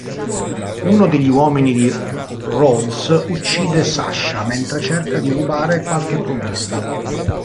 Uno degli uomini di Rhodes uccide Sasha, mentre cerca di rubare qualche provvista.